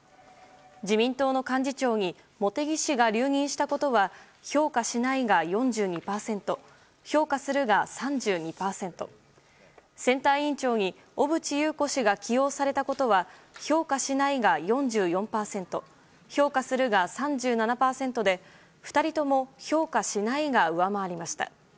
自民党の幹事長に茂木氏が留任したことは評価しないが４２％評価するが３２％選対委員長に小渕優子氏が起用されたことは評価しないが４４％評価するが３７％で２人とも評価しないが上回りました。